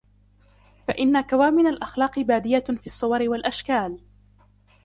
فَإِنَّ كَوَامِنَ الْأَخْلَاقِ بَادِيَةٌ فِي الصُّوَرِ وَالْأَشْكَالِ